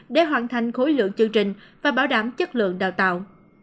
để hoàn thành khối lượng chương trình và bảo đảm chất lượng đào tạo